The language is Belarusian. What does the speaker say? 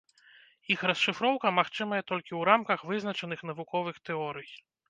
Іх расшыфроўка магчымая толькі ў рамках вызначаных навуковых тэорый.